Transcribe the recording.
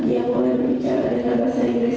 dia mulai berbicara dengan bahasa inggris